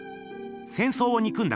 戦争をにくんだ